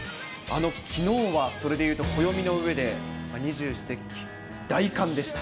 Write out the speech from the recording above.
きのうは、それでいうと暦の上で二十四節気、大寒でした。